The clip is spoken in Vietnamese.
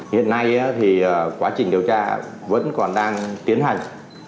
hiện nay thì quá trình điều tra vẫn còn đang tiến hành